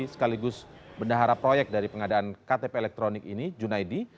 sekaligus bendahara proyek dari pengadaan ktp elektronik ini junaidi